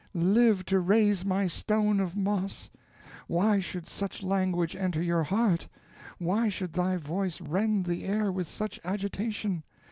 live to raise my stone of moss! why should such language enter your heart? why should thy voice rend the air with such agitation?